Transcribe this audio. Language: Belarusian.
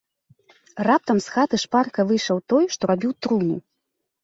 Раптам з хаты шпарка выйшаў той, што рабіў труну.